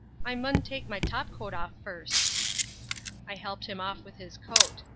"I mun take my top coat off first." I helped him off with his coat.